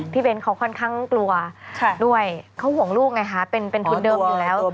เบ้นเขาค่อนข้างกลัวด้วยเขาห่วงลูกไงคะเป็นทุนเดิมอยู่แล้ว